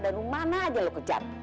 dan rumah anak aja lu kejar